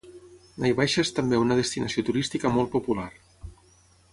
Naivasha és també una destinació turística molt popular.